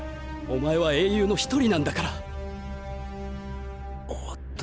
お前は英雄の一人なんだから。